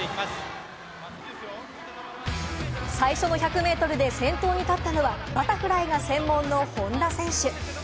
最初の１００ｍで先頭にたったのは、バタフライが専門の本多選手。